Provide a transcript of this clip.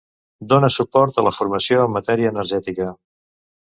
Dona suport a la formació en matèria energètica.